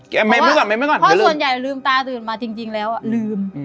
จะไม่มั้ยก่อนเขาลืมเพราะว่าพอส่วนใหญ่ลืมตาตื่นมาจริงแล้วอ่ะลืม